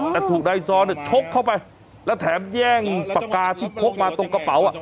แต่ถูกนายซอนชกเข้าไปแล้วแถมแย่งปากกาที่พกมาตรงกระเป๋า